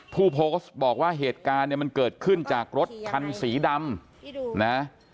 ผู้โพสต์บอกว่าเหตุการณ์เนี่ยมันเกิดขึ้นจากรถคันสีดำนะ